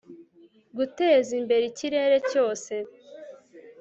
Gutezimbere ikirere cyose